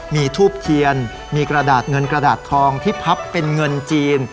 มีทูบเทียนมีกระดาษเงินกระดาษทองที่พับเป็นเงินจีน